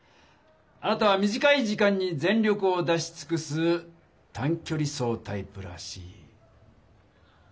あなたは短い時間に全力を出しつくす短距離走タイプらしい。